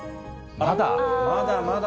まだ。